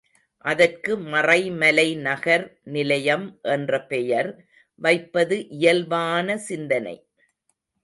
அதற்கு மறைமலைநகர் நிலையம் என்ற பெயர் வைப்பது இயல்பான சிந்தனை.